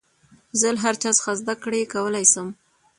زه له هر چا څخه زدکړه کولاى سم.